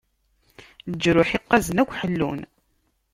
Leǧruḥ iqaẓen akk ḥellun.